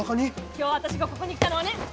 今日私がここに来たのはね！